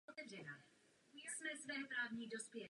To bude rovněž tématem nadcházejícího zasedání Rady.